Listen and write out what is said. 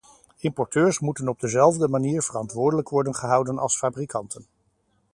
Importeurs moeten op dezelfde manier verantwoordelijk worden gehouden als fabrikanten.